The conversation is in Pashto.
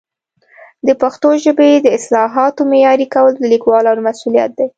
د پښتو ژبې د اصطلاحاتو معیاري کول د لیکوالانو مسؤلیت دی.